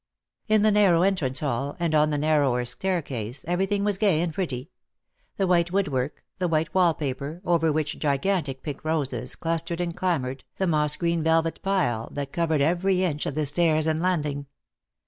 In the narrow entrance hall, and on the nar rower stahcase, everything was gay and pretty: the white woodwork, the white wall paper, over which gigantic pink roses clustered and clambered, the moss green velvet pile that covered every inch of the stairs and landing.